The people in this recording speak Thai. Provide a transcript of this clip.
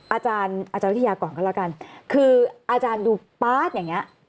อาจารย์วิทยาก่อนก็แล้วกันคืออาจารย์ดูป๊าดอย่างนี้